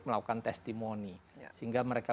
melakukan testimoni sehingga mereka